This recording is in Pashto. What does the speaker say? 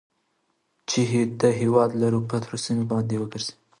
چې د هېواد لرو پرتو سيمو باندې وګرځي.